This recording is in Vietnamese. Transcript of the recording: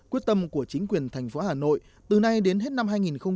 quyết tâm của chính quyền thành phố hà nội từ nay đến hết năm hai nghìn hai mươi